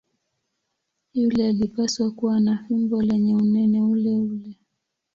Yule alipaswa kuwa na fimbo lenye unene uleule.